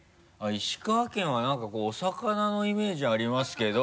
石川県は何かお魚のイメージありますけど。